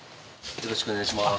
よろしくお願いします